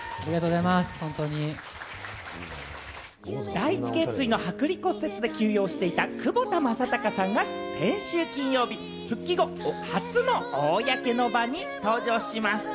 第一頸椎の剥離骨折で休養していた窪田正孝さんが先週金曜日、復帰後初の公の場に登場しました。